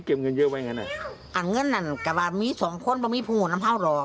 เอาเงินนั่นก็ว่ามี๒คนก็ไม่พูดน้ำห้าวหรอก